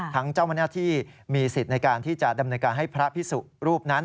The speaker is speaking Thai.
ทั้งเจ้าหน้าที่มีสิทธิ์ในการที่จะดำเนินการให้พระพิสุรูปนั้น